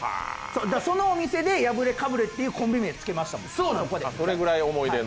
そのお店でやぶれかぶれというコンビ名つけましたもん。